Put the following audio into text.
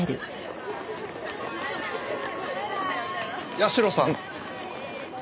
社さん。